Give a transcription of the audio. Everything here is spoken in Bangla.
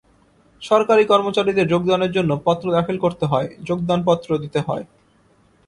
সরকারি কর্মচারীদের যোগদানের জন্য পত্র দাখিল করতে হয়, যোগদানপত্র দিতে হয়।